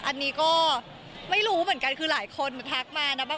อันนี้ก็ไม่รู้เหมือนกันคือหลายคนทักมานะว่า